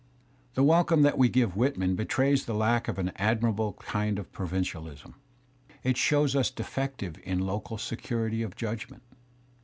The welcome that we gave Whitman betrays the lack of an admirable kind of provincialism; it shows us defective in local i| security of judgment.